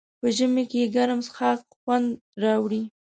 په ژمي کې ګرم څښاک خوند راوړي.